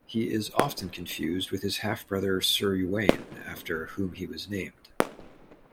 He is often confused with his half-brother Sir Ywain, after whom he was named.